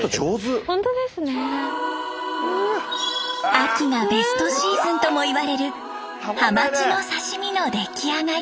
秋がベストシーズンともいわれるハマチの刺身の出来上がり。